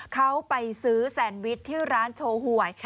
เขาไปซื้อแซนวิชที่ร้านโชว์หวย